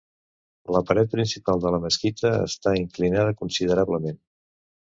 La paret principal de la mesquita està inclinada considerablement.